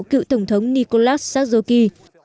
cựu tổng thống nicolas sajoki